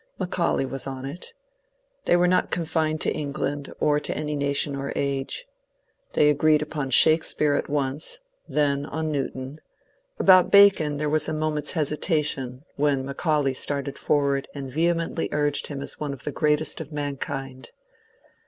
Macaulay was on it. They were not confined to England or to any nation or age. They agreed upon Shakespeare at once ; then on Newton ; about Bacon there was a moment's hesitation, when Macau lay started forward and vehemently urged him as one of the greatest of mankind.